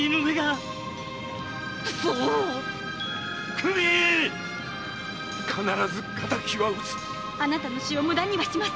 久美必ず仇は討つあなたの死を無駄にはしません。